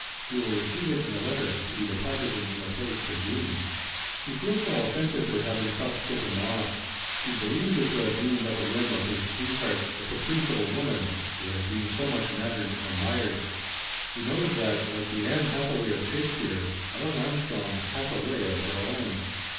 He will receive it in a letter, to be deposited in the place convened. He feels no offence at her having thus put him off. He believes it to have been but a whim of his sweetheart the caprice of a woman, who has been so much nattered and admired. He knows, that, like the Anne Hathaway of Shakespeare, Helen Armstrong "hath a way" of her own.